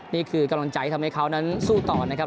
นี่คือกำลังใจทำให้เขานั้นสู้ต่อนะครับ